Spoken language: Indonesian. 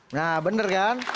nah bener kan